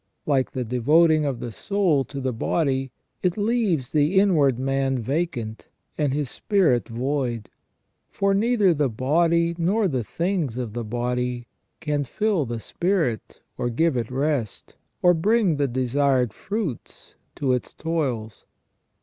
Like the devoting of the soul to the body, it leaves the inward man vacant, and his spirit void ; for neither the body nor the things of the body can fill the spirit, or give it rest, or bring the desired fruits to its toils.